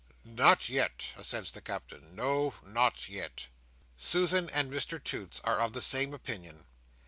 "Not yet," assents the Captain. "No. Not yet." Susan and Mr Toots are of the same opinion.